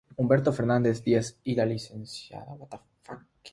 Humberto Fernández Diez y la Lic.